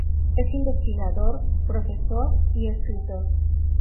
Es investigador, profesor y escritor.